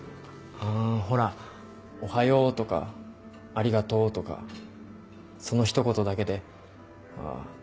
ほら「おはよう」とか「ありがとう」とかその一言だけでああ